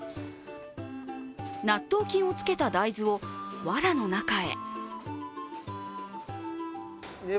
納豆菌をつけた大豆をわらの中へ。